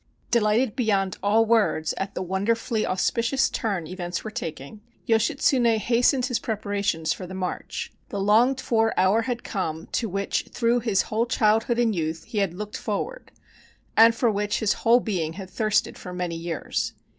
Delighted beyond all words at the wonderfully aus picious turn events were taking, Yoshitsune hastened his preparations for the march. The longed for hour had come to which through his whole childhood and youth he had looked forward, and for which his whole being had thirsted for many years.